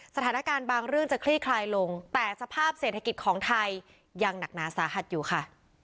สถานการณ์บางเรื่องจะคลี่คลายลงแต่สภาพเศรษฐกิจของไทยยังหนักหนาสาหัสอยู่ค่ะ